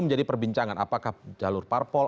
menjadi perbincangan apakah jalur parpol